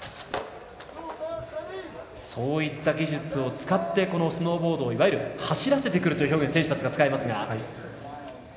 そういった技術を使ってスノーボードを走らせてくるという表現を選手たちは使いますが。